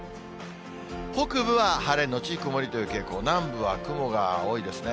北部は晴れ後曇りという傾向、南部は雲が多いでしょうね。